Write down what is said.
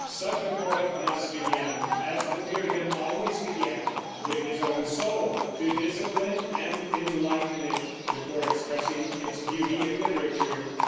Such a poet must begin, as the Puritan always began, with his own soul, to discipline and enlighten it, before expressing its beauty in literature.